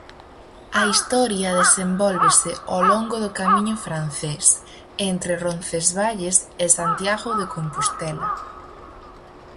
A historia desenvólvese ao longo do Camiño Francés, entre Roncesvalles e Santiago de Compostela.